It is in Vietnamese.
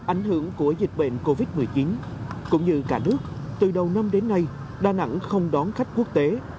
ảnh hưởng của dịch bệnh covid một mươi chín cũng như cả nước từ đầu năm đến nay đà nẵng không đón khách quốc tế